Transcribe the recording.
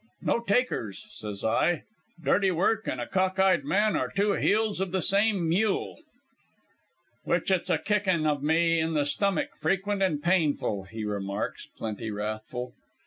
"'No takers,' says I. 'Dirty work and a cock eyed man are two heels of the same mule.' "'Which it's a kicking of me in the stummick frequent and painful,' he remarks, plenty wrathful.